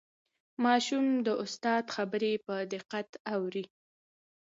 ماشوم د استاد خبرې په دقت اوري